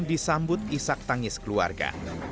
disambut isak tangis keluarga